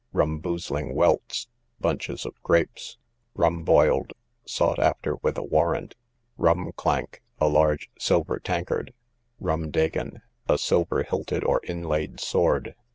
Rumboozling welts, bunches of grapes. Rumboyled, sought after with a warrant. Rum clank, a large silver tankard. Rum degen, a silver hilted or inlaid sword.